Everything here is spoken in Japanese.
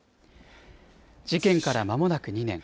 事件からまもなく２年。